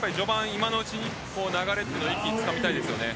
今のうちに流れを一気につかみたいです。